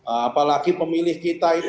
apalagi pemilih kita itu